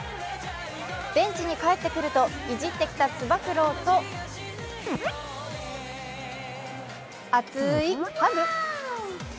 ベンチに帰ってくるといじってきたつば九郎と熱いハグ。